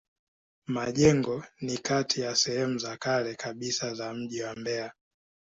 Majengo ni kati ya sehemu za kale kabisa za mji wa Mbeya.